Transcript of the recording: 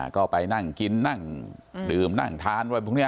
ก็ไปนั่งกินนั่งดื่มนั่งทาน